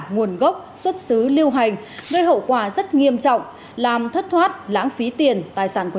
nguồn gốc xuất xứ lưu hành gây hậu quả rất nghiêm trọng làm thất thoát lãng phí tiền tài sản của